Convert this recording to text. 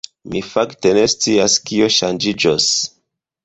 Mi fakte ne scias kio ŝanĝiĝos.